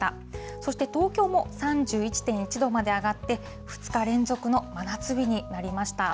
そして東京も３１．１度まで上がって、２日連続の真夏日になりました。